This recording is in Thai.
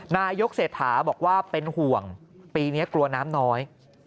นายกเศรษฐาบอกว่าเป็นห่วงปีนี้กลัวน้ำน้อย